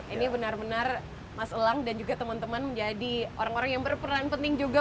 ini benar benar mas elang dan juga teman teman menjadi orang orang yang berperan penting juga